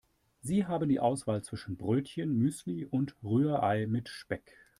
Sie haben die Auswahl zwischen Brötchen, Müsli und Rührei mit Speck.